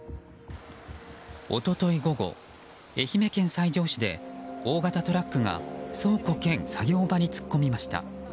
一昨日午後、愛媛県西条市で大型トラックが倉庫兼作業場に突っ込みました。